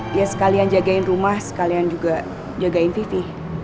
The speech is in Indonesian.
dia sekalian jagain rumah sekalian juga jagain pv